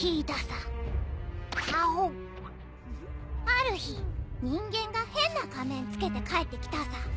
ある日人間が変な仮面つけて帰ってきたさ。